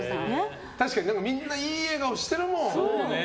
みんないい笑顔してるもん。